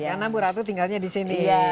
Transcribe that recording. karena bu ratu tinggalnya di sini